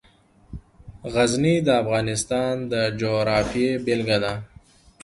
غزني د افغانستان د جغرافیې بېلګه ده.